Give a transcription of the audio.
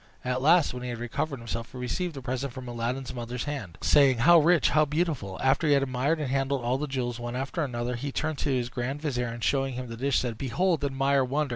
At last, when he had recovered himself, he received the present from Aladdin's mother's hand, saying, "How rich! how beautiful!" After he had admired and handled all the jewels one after another, he turned to his grand vizier, and, showing him the dish, said, "Behold! admire! wonder!